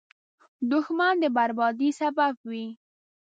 دښمن د بربادۍ سبب وي